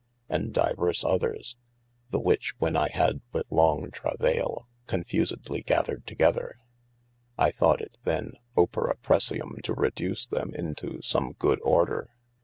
and divers others, the which when I had with long travayle con fusedly gathered together, I thought it then Opere precium to reduce them into some good order.